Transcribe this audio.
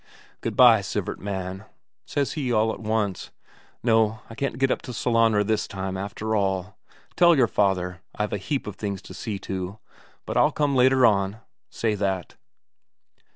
"Good bye, Sivert man," says he all at once. "No, I can't get up to Sellanraa this time, after all; tell your father. I've a heap of things to see to. But I'll come later on say that...."